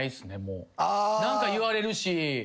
何か言われるし。